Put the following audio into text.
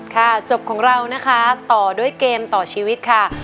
จบของเรานะคะต่อด้วยเกมต่อชีวิตค่ะ